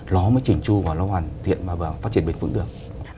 nó mới chỉnh chu và nó hoàn thiện và phát triển bền vững được